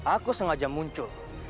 aku sengaja muncul